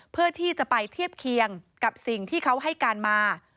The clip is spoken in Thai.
เพื่อที่จะไปเทียบเคียงกับสิ่งที่เขาให้การมา